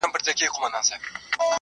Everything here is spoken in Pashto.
بيا دي ستني ډيري باندي ښخي کړې.